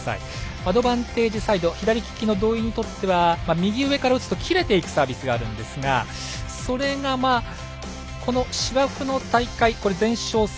アドバンテージサイド左利きの土居にとっては右上から打つと切れていくサービスがあるんですがそれが、この芝生の大会、前哨戦